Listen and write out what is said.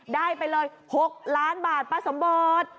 ได้ไปเลย๖ล้านบาทป้าสมบท